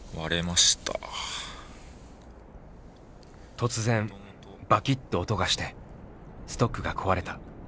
突然バキッと音がしてストックが壊れた。